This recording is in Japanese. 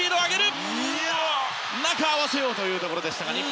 中に合わせようというところでした。